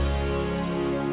aku bakal tanggung semuanya oke